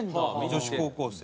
女子高校生。